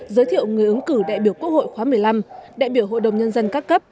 giới thiệu người ứng cử đại biểu quốc hội khóa một mươi năm đại biểu hội đồng nhân dân các cấp